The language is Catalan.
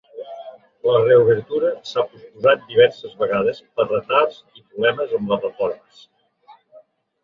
La reobertura s’ha postposat diverses vegades per retards i problemes amb les reformes.